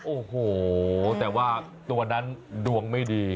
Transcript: โอ้โหแต่ว่าตัวนั้นดวงไม่ดี